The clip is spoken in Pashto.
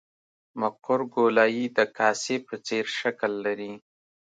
مقعر ګولایي د کاسې په څېر شکل لري